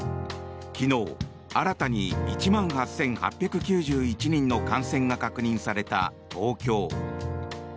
昨日、新たに１万８８９１人の感染が確認された東京。